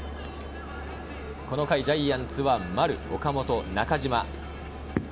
この回ジャイアンツは丸、岡本、中島。